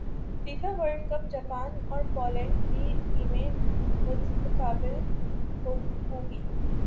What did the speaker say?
FIFA World Cup Japan اور Poland کی ٹیمیں مدمقابل ہوں گی